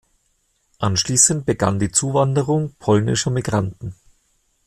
Anschließend begann die Zuwanderung polnischer Migranten.